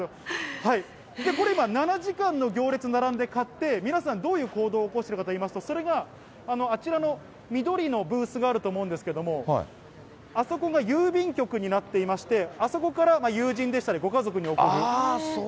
これ今、７時間の行列に並んで買って、皆さん、どういう行動を起こしてるかといいますと、それがあちらの緑のブースがあると思うんですけれども、あそこが郵便局になっていまして、あそこから友人でしたり、ご家族に送る。